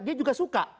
dia juga suka